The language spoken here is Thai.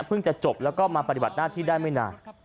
จะจบแล้วก็มาปฏิบัติหน้าที่ได้ไม่นาน